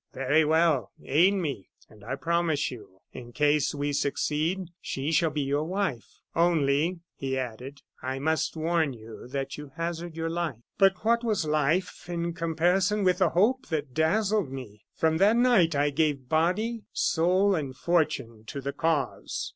'Very well, aid me, and I promise you, in case we succeed, she shall be your wife. Only,' he added, 'I must warn you that you hazard your life.' "But what was life in comparison with the hope that dazzled me! From that night I gave body, soul, and fortune to the cause.